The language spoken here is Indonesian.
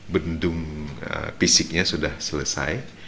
bendung fisiknya sudah selesai